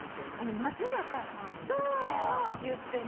松坂さんね言ってね。